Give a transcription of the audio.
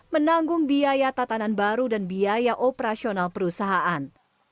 menanggung biaya tatanan baru dan biaya operasional perusahaan